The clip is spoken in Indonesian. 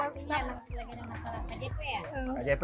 iya masih lagi ada masalah kjp ya